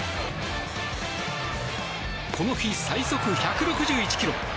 この日最速１６１ｋｍ。